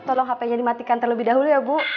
tolong hp nya dimatikan terlebih dahulu ya bu